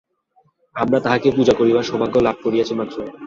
আমরা তাঁহাকে পূজা করিবার সৌভাগ্য লাভ করিয়াছি মাত্র।